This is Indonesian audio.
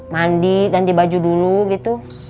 mandi ganti baju dulu gitu